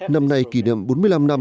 năm nay kỷ niệm bốn mươi năm năm